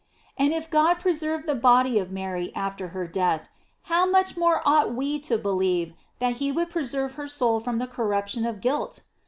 And if God preserved the body of Mary after her death, how much more ought we to believe that lie would preserve her soul from the corruption of guilt?